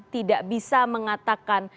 tidak bisa mengatakan